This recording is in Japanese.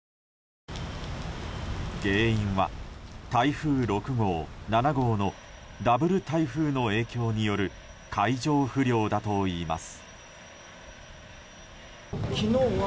原因は台風６号、７号のダブル台風の影響による海上不良だといいます。